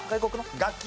楽器。